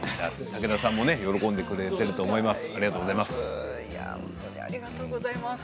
武田さんも喜んでいらっしゃると思います。